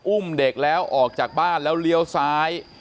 อุ้มเด็กแล้วออกจากบ้านแล้วเลี้ยวซ้าย